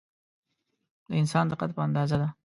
د انسان د قد په اندازه ده.